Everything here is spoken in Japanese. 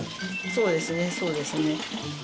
そうですねそうですね。